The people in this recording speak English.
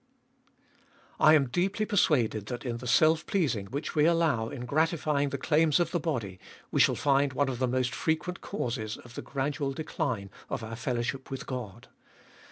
1. I am deeply persuaded that in the self pleasing which we allow in gratifying the claims of the body, we shall find one of the most frequent causes of the gradual decline of our fellowship with Qod.